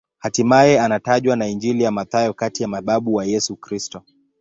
Hatimaye anatajwa na Injili ya Mathayo kati ya mababu wa Yesu Kristo.